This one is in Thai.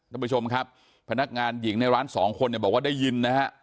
ท่านผู้ชมครับพนักงานหญิงในร้านสองคนเนี่ยบอกว่าได้ยินนะฮะ